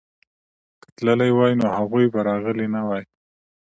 که تللي وای نو هغوی به راغلي نه وای.